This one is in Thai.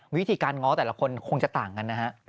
วิธีการง้อแต่ละคนคงจะต่างกันนะฮะ